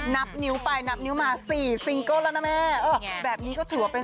นับนิ้วไปนับนิ้วมาสี่ซิงเกิ้ลแล้วนะแม่เออแบบนี้ก็ถือว่าเป็น